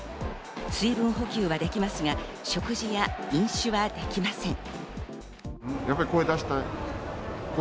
水分補給はできますが、食事や飲酒はできません。